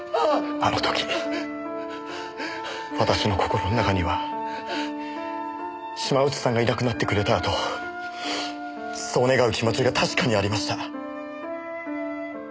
あの時私の心の中には島内さんがいなくなってくれたらとそう願う気持ちが確かにありました。